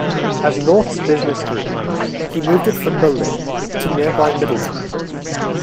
As North's business grew, he moved it from Berlin to nearby Middletown.